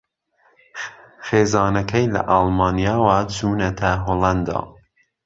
خێزانەکەی لە ئەڵمانیاوە چوونەتە ھۆڵەندا